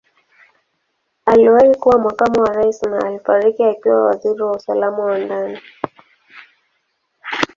Aliwahi kuwa Makamu wa Rais na alifariki akiwa Waziri wa Usalama wa Ndani.